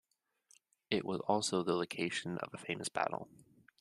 It was also the location of a famous battle.